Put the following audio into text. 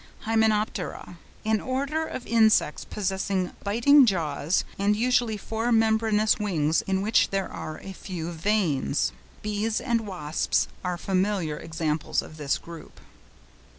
HYMENOPTERA.—An order of insects possessing biting jaws and usually four membranous wings in which there are a few veins. Bees and wasps are familiar examples of this group.